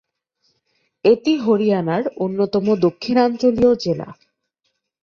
এটি হরিয়ানার অন্যতম দক্ষিণাঞ্চলীয় জেলা।